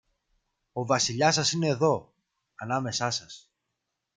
Ο Βασιλιάς σας είναι δω, ανάμεσά σας